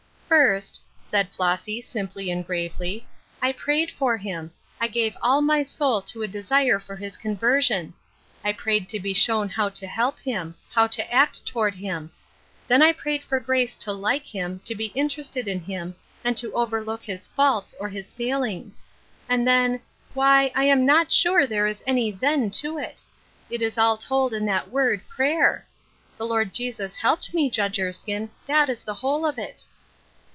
" First," said Floss}^ simply and gravely, '' I prayed for him ; I gave all my soul to a desire 64 Ruth Ursklnes Crosses, for his o inversion ; I prayed to be shown how to help him — how to act toward him; then 1 prajed for grace to like him, to be interested in him, and to overlook his faults, or his failings ; and then — why, I am not sure there is any ' then ' to it. It is all told in that word ' prayer.' The Lord Jesus helped me, Judge Erskine ; that is the whole of it."